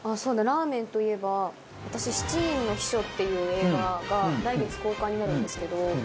ラーメンといえば私『七人の秘書』っていう映画が来月公開になるんですけど。